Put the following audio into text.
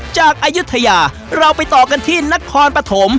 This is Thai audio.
อายุทยาเราไปต่อกันที่นครปฐม